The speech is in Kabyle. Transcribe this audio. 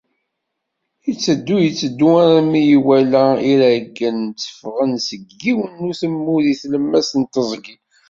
Itteddu, itteddu armi iwala iraggen tteﬀɣen-d seg yiwen n utemmu di tlemmast n teẓgi.